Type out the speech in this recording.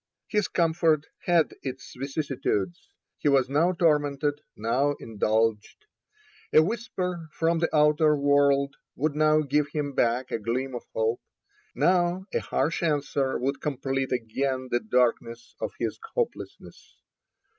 His comfort had its vicissitudes; he was now tormented, now indulged. A whisper from the outer world would now give him back a gleam of hope, now a harsh answer would complete again the darkness of his hopelessness.